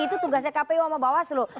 itu tugasnya kpu sama bawas loh